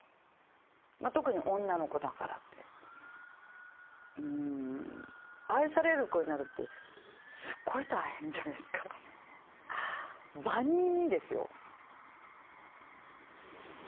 特に「女の子だから」ってうん愛される子になるってすっごい大変じゃないすかうん万人にですよ